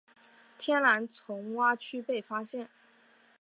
天蓝丛蛙区被发现。